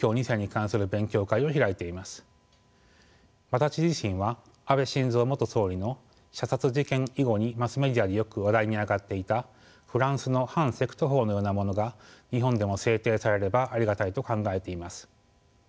私自身は安倍晋三元総理の射殺事件以後にマスメディアでよく話題に上がっていたフランスの反セクト法のようなものが日本でも制定されればありがたいと考えています。